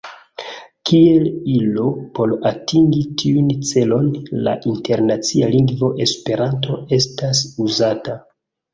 Kiel ilo por atingi tiun celon, la internacia lingvo Esperanto estas uzata.